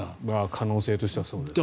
可能性としてはそうですね。